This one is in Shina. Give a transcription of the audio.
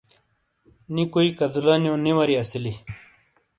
نی کوئی کدولہ نو نی واری اسیلی